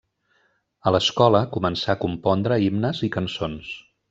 A l'escola començà a compondre himnes i cançons.